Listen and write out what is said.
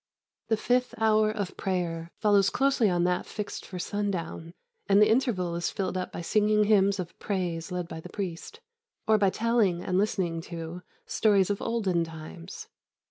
The fifth hour of prayer follows closely on that fixed for sundown, and the interval is filled up by singing hymns of praise led by the priest, or by telling, and listening to, stories of olden times.